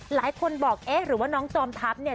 หลายคนบอกเอ๊ะหรือว่าน้องจอมทัพเนี่ย